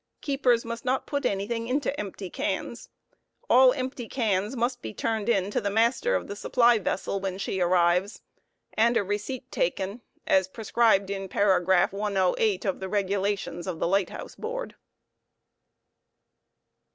spers must not put anything into empty cans. All empty cans must be turned in v ° Id the master of the supply vessel when she arrives, and a receipt taken, as prescribed paragraph 108 of the Regulations of the Light house l3oard.